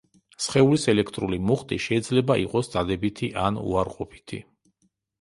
სხეულის ელექტრული მუხტი შეიძლება იყოს დადებითი ან უარყოფითი.